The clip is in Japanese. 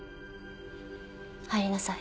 入りなさい。